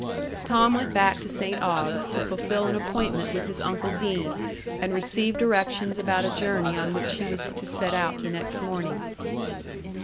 Tom went back to St Ogg's, to fulfill an appointment with his uncle Deane, and receive directions about a journey on which he was to set out the next morning.